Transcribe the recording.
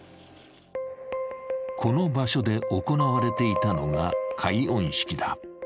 この場所で行われていたのが解怨式だ。